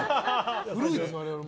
古いですよ、我々も。